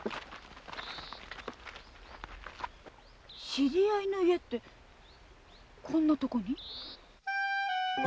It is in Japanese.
知り合いの家ってこんな所に？